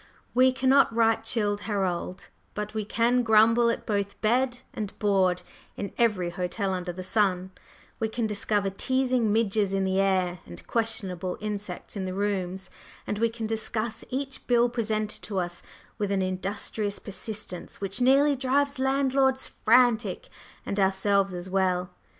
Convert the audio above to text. We cannot write Childe Harold, but we can grumble at both bed and board in every hotel under the sun; we can discover teasing midges in the air and questionable insects in the rooms; and we can discuss each bill presented to us with an industrious persistence which nearly drives landlords frantic and ourselves as well.